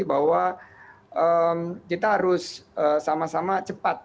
bahwa kita harus sama sama cepat